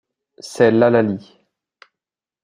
C'est l'hallali.